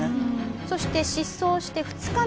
そして失踪して２日目。